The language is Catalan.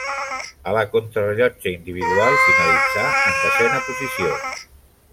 A la contrarellotge individual finalitzà en desena posició.